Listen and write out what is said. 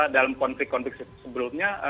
dalam konflik konflik sebelumnya